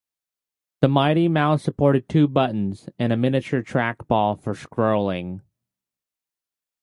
The Mighty Mouse supported two buttons, and a miniature trackball for scrolling.